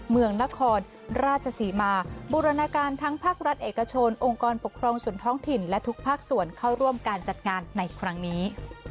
เมืองนครราชศรีมาบูรณาการทั้งภาครัฐเอกชนองค์กรปกครองส่วนท้องถิ่นและทุกภาคส่วนเข้าร่วมการจัดงานในครั้งนี้